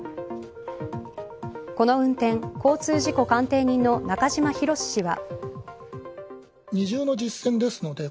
この運転、交通事故鑑定人の中島博史氏は。